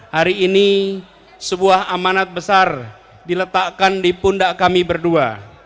hari ini sebuah amanat besar diletakkan di pundak kami berdua